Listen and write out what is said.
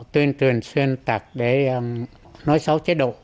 tuyên truyền xuyên tạc để nói xấu chế độ